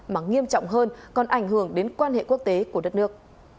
mà nghiêm trọng hơn còn ảnh hưởng đến quan hệ quốc tế của đất nước